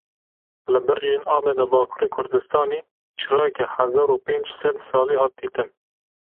Li bircên Ameda Bakurê Kurdistanê çirayeke hezar û pênc sed salî hat dîtin.